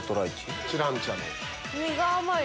苦甘い。